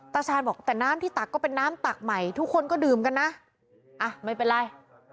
ตาชาญบอกแต่น้ำที่ตักก็เป็นน้ำตักใหม่ทุกคนก็ดื่มกันนะอ่ะไม่เป็นไร